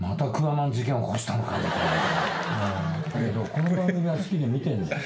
この番組は好きで見てんだよ。